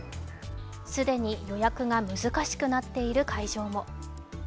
既に予約が難しくなっている会場も。